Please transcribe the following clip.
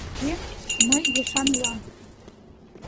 — Туге, мый ешан улам.